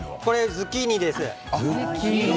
ズッキーニです。